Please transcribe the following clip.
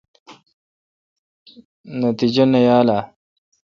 نتجہ نہ یال اؘ۔